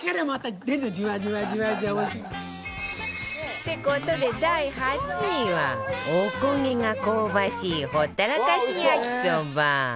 って事で第８位はおこげが香ばしいほったらかし焼きそば